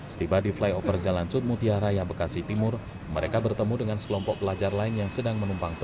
setiba di flyover jalan cud mutia raya bekasi timur mereka bertemu dengan sekelompok pelajar lain yang sedang berjalan